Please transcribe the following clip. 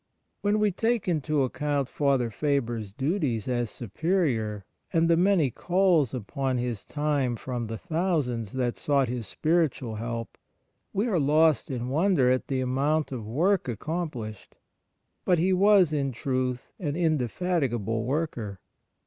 When we take into account Father Faber's duties as Superior, and the many calls upon his time from the thousands that sought his spiritual help, we are lost in wonder at the amount of work accom plished. But he was, in truth, an inde fatigable worker.